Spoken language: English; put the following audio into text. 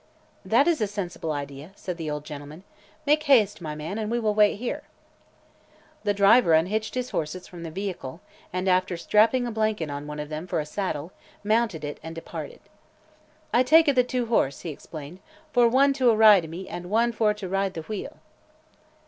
"That is a sensible idea," said the old gentleman. "Make haste, my man, and we will wait here." The driver unhitched his horses from the vehicle and after strapping a blanket on one of them for a saddle mounted it and departed. "I take a the two horse," he explained, "for one to ride a me, an' one for to ride a the wheel."